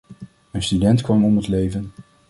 Een student kwam om het leven.